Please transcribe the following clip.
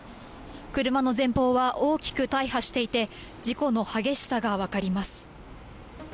車の前方は大きく大破していて事故の激しさが分かります。